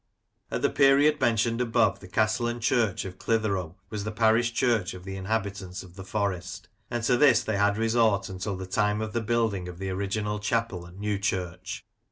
At the period mentioned above, the castle and church of Clitheroe was the parish church of the inhabitants of the » Forest, and to this they had resort until the time of the building of the original chapel at Newchurch.